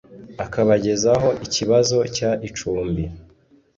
akabagezaho ikibazo cy icumbi